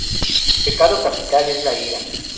Su pecado capital es la Ira.